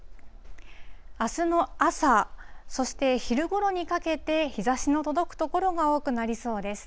あすの朝、そして昼ごろにかけて、日ざしの届く所が多くなりそうです。